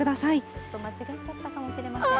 ちょっと間違えちゃったかもしれません。